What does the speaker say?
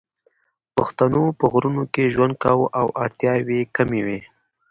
پښتنو په غرونو کې ژوند کاوه او اړتیاوې یې کمې وې